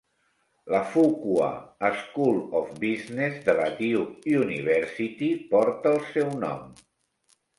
La Fuqua School of Business de la Duke University porta el seu nom.